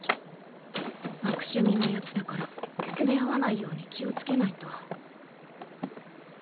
悪趣味なヤツだから出合わないように気を付けないと。